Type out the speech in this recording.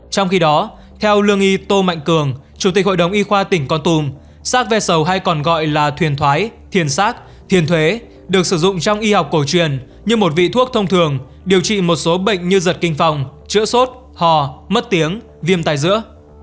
trong khi đó theo lương y tô mạnh cường chủ tịch hội đồng y khoa tỉnh con tum sát ve sầu hay còn gọi là thuyền thoái thiền sát thiền thuế được sử dụng trong y học cổ truyền như một vị thuốc thông thường điều trị một số bệnh như giật kinh phòng chữa sốt hò mất tiếng viêm tài giữa